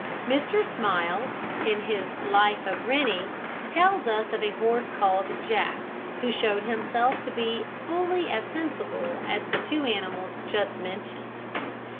Mr Smiles, in his Life of Rennie, tells us of a horse called Jack, who showed himself to be fully as sensible as the two animals just mentioned.